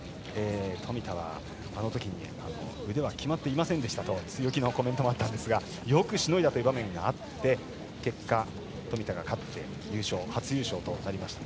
富田はあのときに腕は決まっていませんでしたと強気のコメントもあったんですがよくしのいだ場面があって結果、冨田が勝って初優勝となりました。